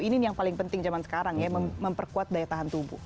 ini yang paling penting zaman sekarang ya memperkuat daya tahan tubuh